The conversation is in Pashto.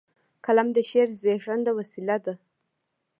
قلم د شعر زیږنده وسیله ده.